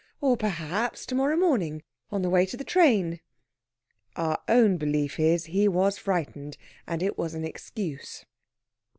Or, perhaps, to morrow morning, on the way to the train. Our own belief is, he was frightened, and it was an excuse.